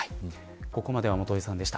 ここまでは元榮さんでした。